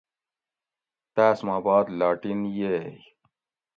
تاۤس ما باد لاٹِین ییئ